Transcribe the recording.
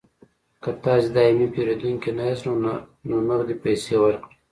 که تاسې دایمي پیرودونکي نه یاست نو نغدې پیسې ورکړئ